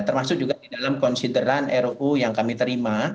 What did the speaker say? termasuk juga di dalam konsideran ruu yang kami terima